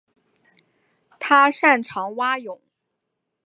他擅长蛙泳。